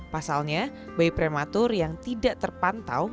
pasalnya bayi prematur yang tidak terpantau